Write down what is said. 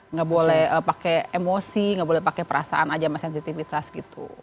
nggak boleh pakai emosi nggak boleh pakai perasaan aja sama sensitivitas gitu